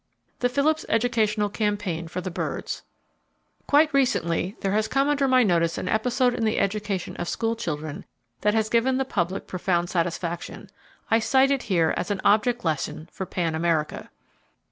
The Phillips Educational Campaign For The Birds. —Quite recently there has come under my notice an episode in the education of school children that has given the public profound satisfaction. I cite it here as an object lesson for pan America.